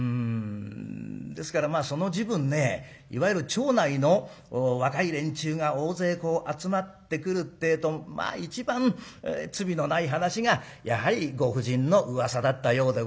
ですからまあその時分ねいわゆる町内の若い連中が大勢こう集まってくるってえとまあ一番罪のない話がやはりご婦人のうわさだったようでございますがね。